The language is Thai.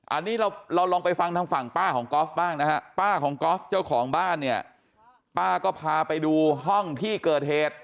อันนี้เราลองไปฟังทางฝั่งป้าของกอล์ฟบ้างนะฮะป้าของก๊อฟเจ้าของบ้านเนี่ยป้าก็พาไปดูห้องที่เกิดเหตุ